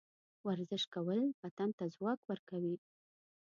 ورزش کول بدن ته ځواک ورکوي.